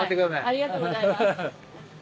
ありがとうございます。